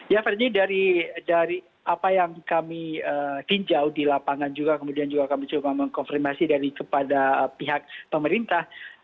ya ferdie dari apa yang kami tinjau di lapangan juga kemudian juga kami coba mengkonfirmasi kepada pihak pemerintah